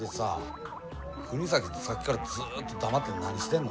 国崎さっきからずっと黙って何してんの？